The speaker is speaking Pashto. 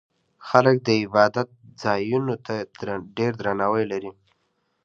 خلک د عبادت ځایونو ته ډېر درناوی لري.